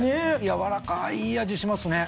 やわらかいいい味しますね。